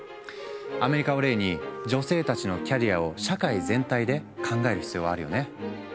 アメリカを例に女性たちのキャリアを社会全体で考える必要はあるよね。